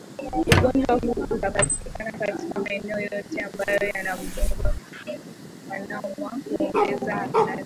Ugonjwa huu unapatikana katika maeneo yote ambayo yana mbung'o Nzi wanaouma huongeza hatari